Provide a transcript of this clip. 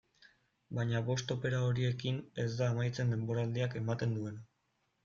Baina bost opera horiekin ez da amaitzen denboraldiak ematen duena.